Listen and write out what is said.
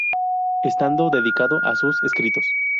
Estando dedicado a sus escritos.